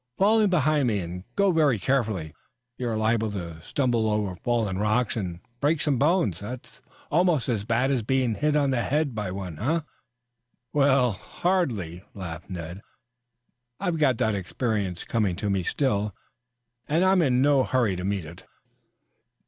"Fall in behind me and go very carefully. You are liable to stumble over fallen rocks and break some bones. That's almost as bad as being hit on the head by one, eh?" "Well, hardly," laughed Ned. "I've got that experience coming to me still, and I'm in no hurry to meet it."